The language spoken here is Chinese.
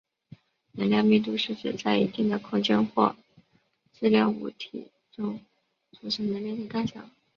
能量密度是指在一定的空间或质量物质中储存能量的大小。